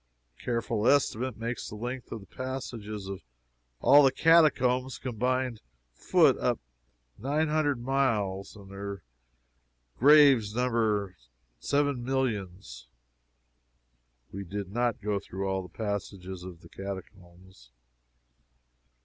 A careful estimate makes the length of the passages of all the catacombs combined foot up nine hundred miles, and their graves number seven millions. We did not go through all the passages of all the catacombs.